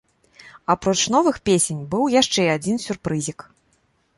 Апроч новых песень быў яшчэ адзін сюрпрызік.